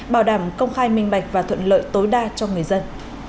bảo đảm công khai minh bạch và thuận lợi tối đa cho người dân